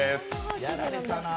やられたな。